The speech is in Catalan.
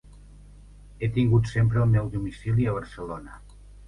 He tingut sempre el meu domicili a Barcelona.